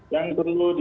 yang perlu diwaspadai